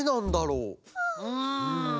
うん。